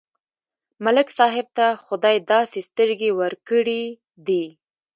ملک صاحب ته خدای داسې سترګې ورکړې دي،